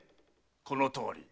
このとおり！